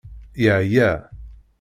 Yeɛya.